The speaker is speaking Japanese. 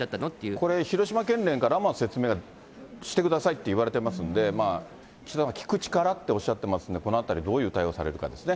これ、広島県連から説明してくださいって言われてますんで、聞く力っておっしゃってますんで、このあたり、どういう対応されるかですね。